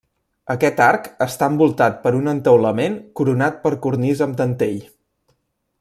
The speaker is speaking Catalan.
Aquest arc està envoltat per un entaulament coronat per cornisa amb dentell.